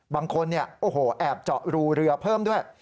บางคนแอบเจาะรูเรือเพิ่มด้วย